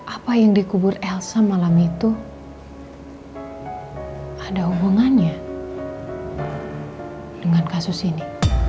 apa yang dikubur elsa malam itu ada hubungannya dengan kasus ini